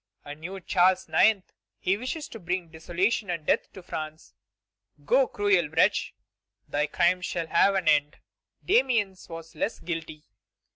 A new Charles IX., he wishes to bring desolation and death to France. Go, cruel wretch; thy crimes shall have an end. Damiens was less guilty.